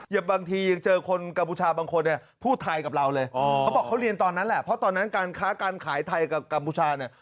บางทียังเจอคนกัมพูชาบางคนเนี่ยพูดไทยกับเราเลยเขาบอกเขาเรียนตอนนั้นแหละเพราะตอนนั้นการค้าการขายไทยกับกัมพูชาเนี่ย